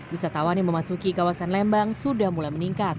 wisatawan yang memasuki kawasan lembang sudah mulai meningkat